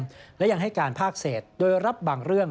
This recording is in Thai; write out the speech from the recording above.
ก็มีการภากเศษโดยรับบางเรื่อง